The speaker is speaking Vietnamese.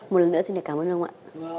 một lần nữa xin cảm ơn ông ạ